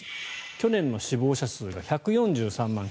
去年の死亡者数が１４３万９８０９人。